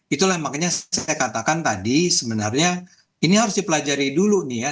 itulah makanya saya katakan tadi sebenarnya ini harus dipelajari dulu nih ya